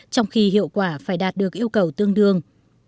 trong khi hiệu quả phải đạt được yêu cầu tương đương